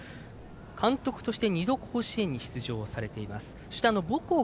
監督として２度、甲子園に出場されています。